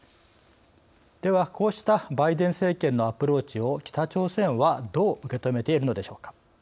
ではこうしたバイデン政権のアプローチを北朝鮮はどう受け止めているのでしょうか。